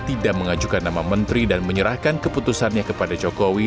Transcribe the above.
tidak mengajukan nama menteri dan menyerahkan keputusannya kepada jokowi